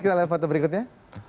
kita lihat foto berikutnya